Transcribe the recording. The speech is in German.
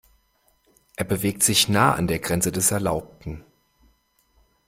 Er bewegt sich nah an der Grenze des Erlaubten.